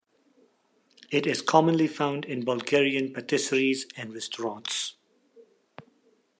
It is commonly found in Bulgarian patisseries and restaurants.